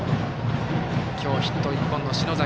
今日ヒット１本の篠崎。